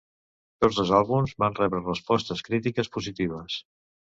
Tots dos àlbums van rebre respostes crítiques positives.